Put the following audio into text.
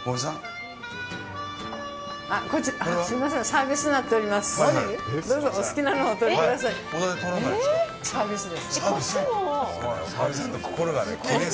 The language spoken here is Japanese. サービスです。